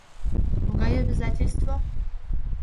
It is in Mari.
— Могай обязательство?